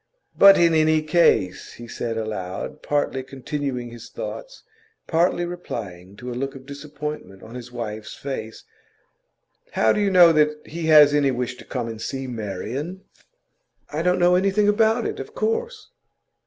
'But, in any case,' he said aloud, partly continuing his thoughts, partly replying to a look of disappointment on his wife's face, 'how do you know that he has any wish to come and see Marian?' 'I don't know anything about it, of course.